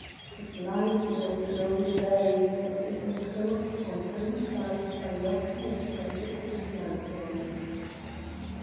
It lies beyond a lovely bay, and is enclosed on three sides by lofty and precipitous mountains.